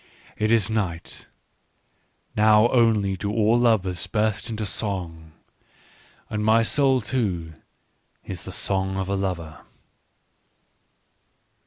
" It is night : now only do all lovers burst into song. And my soul too is the song of a lover."